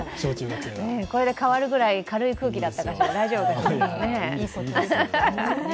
これで変わるぐらい、軽い空気だったかしら、大丈夫かしら。